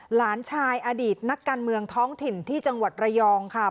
หลานชายอดีตนักการเมืองท้องถิ่นที่จังหวัดระยองค่ะ